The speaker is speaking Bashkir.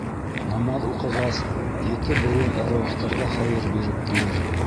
Намаҙ уҡығас, ете быуын әруахтарға хәйер биреп килер.